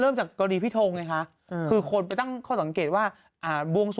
เริ่มจากกรดีพิทงเลยค่ะอืมคือคนไปตั้งข้อสังเกตว่า